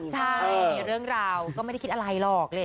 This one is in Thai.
ใช่มีเรื่องราวก็ไม่ได้คิดอะไรหรอก